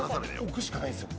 置くしかないんすよ。